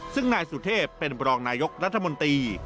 ซึ่งนายสุเทพเป็นบรองนายกรัฐมนตรี